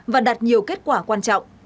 và đạt nhiều kết quả quan trọng